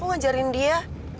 aku ngajarin dia